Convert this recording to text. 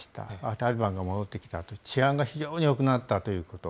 タリバンが戻ってきたあと、治安が非常によくなったということ。